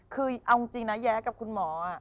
คือเอาจริงนะแย้กับคุณหมอ